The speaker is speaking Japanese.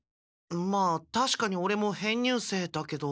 まあたしかにオレも編入生だけど。